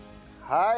はい。